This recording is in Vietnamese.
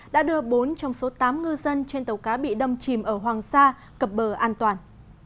đã đưa bốn trong số tám ngư dân trên tàu cá bị đâm chìm ở hoàng sa cập bờ an toàn